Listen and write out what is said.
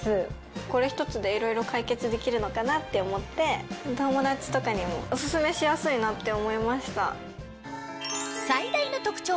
これ一つでいろいろ解決できるのかなって思って友達とかにもオススメしやすいなって思いました。